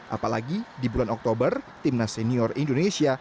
apalagi di bulan oktober timnas senior indonesia